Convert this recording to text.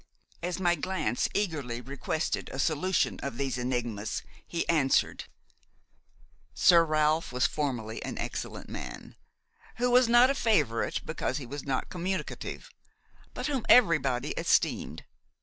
As my glance eagerly requested a solution of these enigmas, he answered: "Sir Ralph was formerly an excellent man, who was not a favorite because he was not communicative, but whom everybody esteemed.